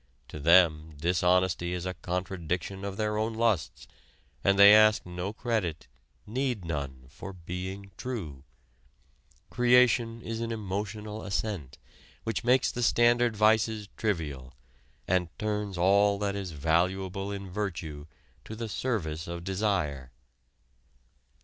To them dishonesty is a contradiction of their own lusts, and they ask no credit, need none, for being true. Creation is an emotional ascent, which makes the standard vices trivial, and turns all that is valuable in virtue to the service of desire.